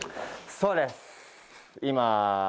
そうです。